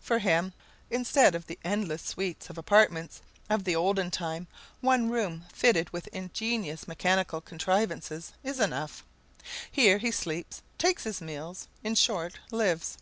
For him, instead of the endless suites of apartments of the olden time, one room fitted with ingenious mechanical contrivances is enough. Here he sleeps, takes his meals, in short, lives.